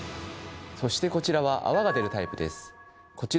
そしてこちらは泡が出るタイプです。